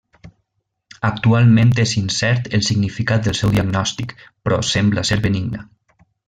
Actualment és incert el significat del seu diagnòstic, però sembla ser benigna.